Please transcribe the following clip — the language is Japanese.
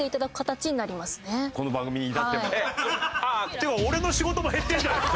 っていうか俺の仕事も減ってんじゃねえか！